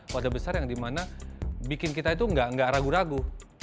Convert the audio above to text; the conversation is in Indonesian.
wadah besar yang dimana bikin kita itu nggak ragu ragu